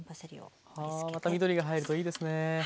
また緑が入るといいですね。